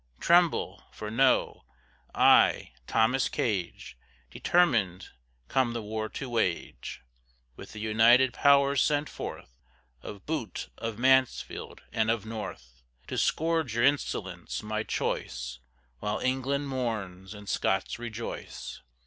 Tremble! for know, I, Thomas Gage, Determin'd come the war to wage. With the united powers sent forth, Of Bute, of Mansfield, and of North; To scourge your insolence, my choice, While England mourns and Scots rejoice!